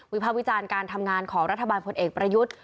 ภาควิจารณ์การทำงานของรัฐบาลพลเอกประยุทธ์